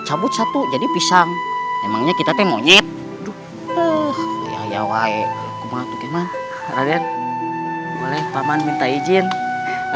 cabut satu jadi pisang emangnya kita temen yip duh ya ya wae kumatuk emang kalian boleh paman minta ijin